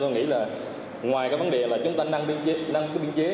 tôi nghĩ là ngoài cái vấn đề là chúng ta năng cái biên chế